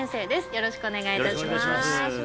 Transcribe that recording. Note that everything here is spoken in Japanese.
よろしくお願いします